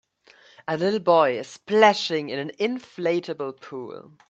A little boy is splashing in an inflatable pool.